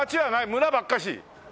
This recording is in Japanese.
村ばっかし？